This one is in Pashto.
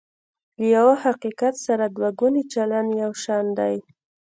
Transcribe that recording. له یوه حقیقت سره دوه ګونی چلند یو شان دی.